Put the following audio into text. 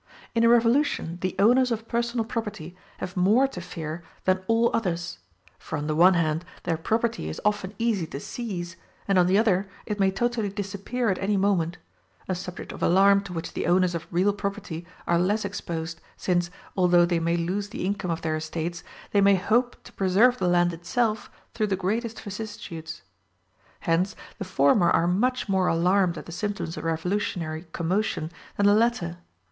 In a revolution the owners of personal property have more to fear than all others; for on the one hand their property is often easy to seize, and on the other it may totally disappear at any moment a subject of alarm to which the owners of real property are less exposed, since, although they may lose the income of their estates, they may hope to preserve the land itself through the greatest vicissitudes. Hence the former are much more alarmed at the symptoms of revolutionary commotion than the latter.